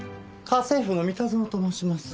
家政夫の三田園と申します。